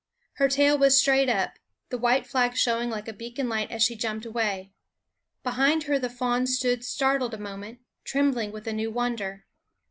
Her tail was straight up, the white flag showing like a beacon light as she jumped away. Behind her the fawns stood startled a moment, trembling with a new wonder.